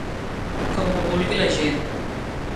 Com ho vulgui la gent.